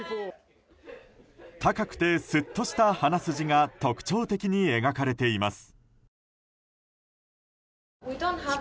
高くてスッとした鼻筋が特徴的に描かれています。